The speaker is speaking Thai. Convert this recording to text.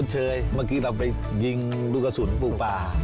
เชยเมื่อกี้เราไปยิงลูกกระสุนปูปลา